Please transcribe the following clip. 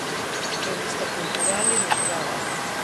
Revista cultural ilustrada.